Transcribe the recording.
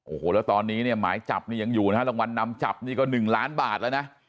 โอ้โหแล้วตอนนี้เนี่ยหมายจับนี่ยังอยู่นะฮะรางวัลนำจับนี่ก็๑ล้านบาทแล้วนะ